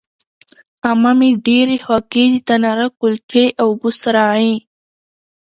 عمه مې ډېرې خوږې د تناره کلچې او بوسراغې